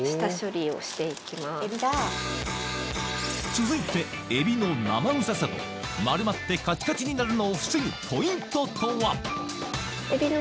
続いてエビの生臭さと丸まってカチカチになるのを防ぐポイントとは？